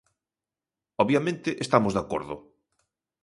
Obviamente, estamos de acordo.